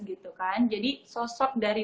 gitu kan jadi sosok dari